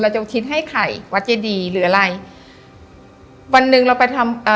จะอุทิศให้ไข่วัดเจดีหรืออะไรวันหนึ่งเราไปทำเอ่อ